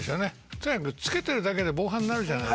とにかく付けてるだけで防犯になるじゃない。